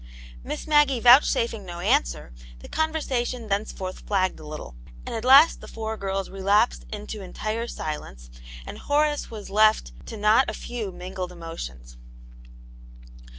Miss Maggie vouchsafing no answer, the conver« sation thenceforth flagged a little, and at last the four girls relapsed into entire silence, and Horace was left to not a few mingled emotions.